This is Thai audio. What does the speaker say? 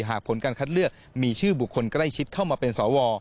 หากผลการคัดเลือกมีชื่อบุคคลใกล้ชิดเข้ามาเป็นสว